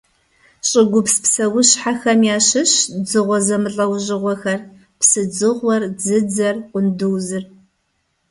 ЩӀыгупс псэущхьэхэм ящыщщ дзыгъуэ зэмылӀэужьыгъуэхэр: псыдзыгъуэр, дзыдзэр, къундузыр.